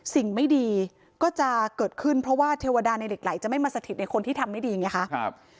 สิ่งไม่ดีก็จะเกิดขึ้นเพราะว่าเทวดาในเหล็กไหลจะไม่มาสถิตในคนที่ทำไม่ดีไงคะ